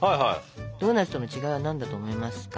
ドーナツとの違いは何だと思いますか？